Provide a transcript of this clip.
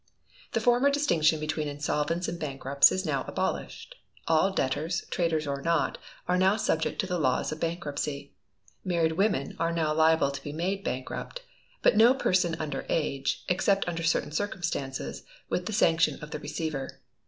The former distinction between insolvents and bankrupts is now abolished. All debtors, traders or not, are now subject to the laws of bankruptcy. Married Women are now liable to be made bankrupt; but no person under age, except under certain circumstances, with the sanction of the Receiver.